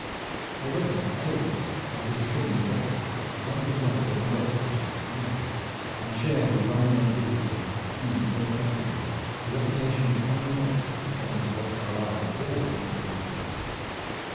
Already Aylward by his skill and strength had won his way to an under officership amongst them, and shared with Long Ned Widdington, a huge North Countryman, the reputation of coming next to famous Wat Carlisle in all that makes an archer.